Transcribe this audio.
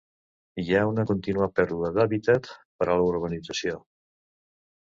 Hi ha una contínua pèrdua d'hàbitat per a la urbanització.